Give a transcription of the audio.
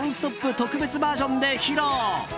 特別バージョンで披露。